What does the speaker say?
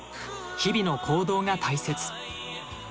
日々の行動が大切」。